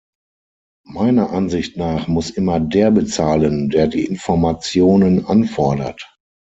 Meiner Ansicht nach muss immer der bezahlen, der die Informationen anfordert.